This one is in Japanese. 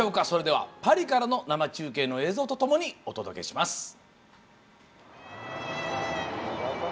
それでは、パリからの生中継の映像とともにお届けします。